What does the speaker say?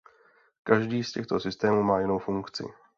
Každý z těchto systémů má jinou funkci.